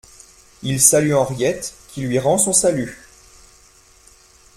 Il salue Henriette, qui lui rend son salut.